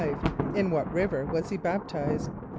= In what river was he baptized?